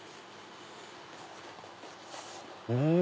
うん！